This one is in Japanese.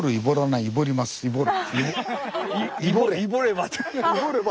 いぼれば！